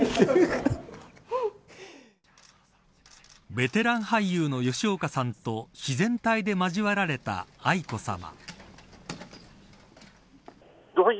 ベテラン俳優の吉岡さんと自然体で交わられた愛子さま。